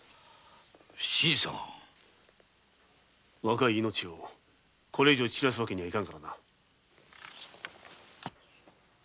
若い命をこれ以上散らせるわけにはいかんからな。